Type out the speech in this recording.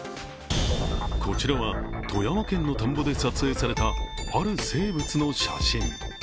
こちらは、富山県の田んぼで撮影されたある生物の写真。